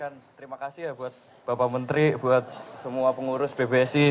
terima kasih ya buat bapak menteri buat semua pengurus bpsi